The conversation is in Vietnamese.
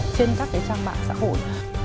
trên các cái trang mạng xã hội